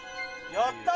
「やったー！」